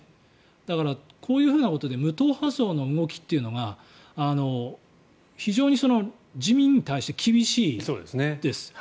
だから、こういうことで無党派層の動きというのが非常に自民に対して厳しいです。